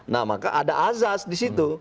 nah maka ada azas di situ